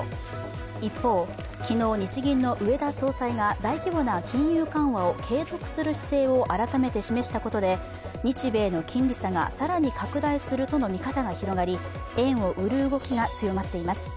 一方、昨日、日銀の植田総裁が大規模な金融緩和を継続する姿勢を改めて示したことで、日米の金利差が更に拡大するとの見方が広がり円を売る動きが強まっています。